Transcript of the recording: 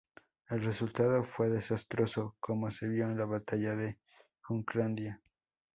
El resultado fue desastroso, como se vio en la batalla de Jutlandia.